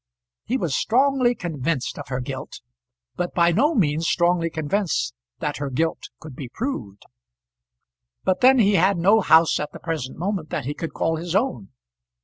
He was strongly convinced of her guilt, but by no means strongly convinced that her guilt could be proved. But then he had no house at the present moment that he could call his own.